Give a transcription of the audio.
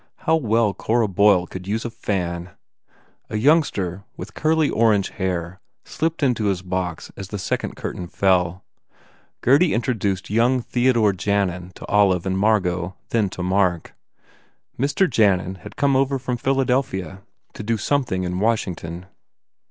How well Cora Boyle could use a fan! A youngster with curly orange hair slipped into 1 his box as the second curtain fell. Gurdy introduced young Theodore Jannan to Olive and Margot, then to Mark. Mr. Jannan had come over from Philadelphia to do something 227 THE FAIR REWARDS in Washington.